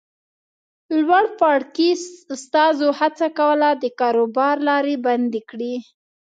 لوړپاړکي استازو هڅه کوله د کاروبار لارې بندې کړي.